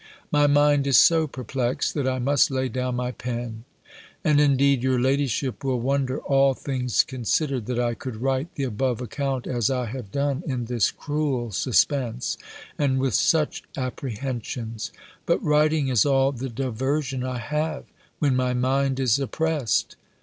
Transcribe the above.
My mind is so perplexed, that I must lay down my pen: and, indeed, your ladyship will wonder, all things considered, that I could write the above account as I have done, in this cruel suspense, and with such apprehensions. But writing is all the diversion I have, when my mind is oppressed.